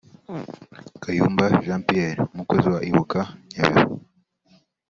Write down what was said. Kayumba Jean Pierre umukozi wa Ibuka Nyabihu